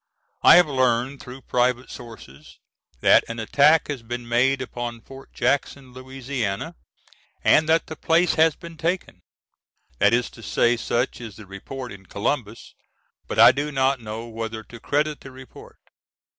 I have learned through private sources that an attack has been made upon Fort Jackson, Louisiana, and that the place has been taken. That is to say such is the report in Columbus, but I do not know whether to credit the report.